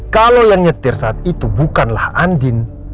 kalau yang nyetir saat itu bukanlah andin